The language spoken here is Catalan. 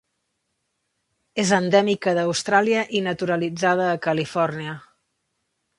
És endèmica d'Austràlia i naturalitzada a Califòrnia.